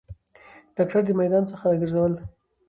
داکتر د میدان څخه راګرځول